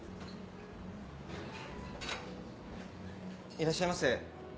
いらっしゃいませ。